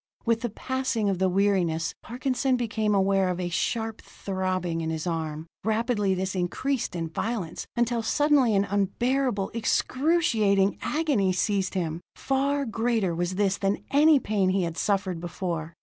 With the passing of the weariness, Parkinson became aware of a sharp throbbing in his arm. Rapidly this increased in violence, until suddenly an unbearable, excruciating agony seized him. Far greater was this than any pain he had suffered before.